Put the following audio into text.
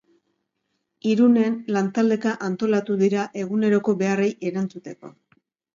Irunen lantaldeka antolatu dira eguneroko beharrei erantzuteko.